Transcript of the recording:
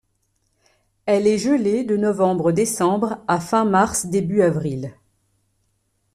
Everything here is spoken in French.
Elle est gelée de novembre - décembre à fin mars - début avril.